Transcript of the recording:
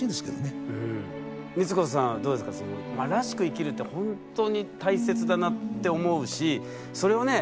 生きるってほんとに大切だなって思うしそれをね